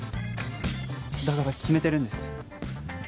だから決めてるんです。